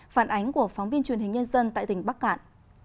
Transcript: phản ánh của phóng viên truyền hình nhân dân tại tỉnh bắc cạn